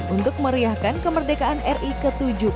untuk meriahkan kemerdekaan ri ke tujuh puluh empat